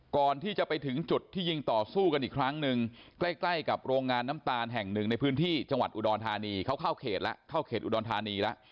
ก่อนที่จะไปถึงจุดที่ยิงต่อสู้กันอีกครั้งหนึ่งใกล้ใกล้กับโรงงานน้ำตาลแห่งหนึ่งในพื้นที่จังหวัดอุดรธานีเขาเข้าเขตแล้วเข้าเขตอุดรธานีแล้ว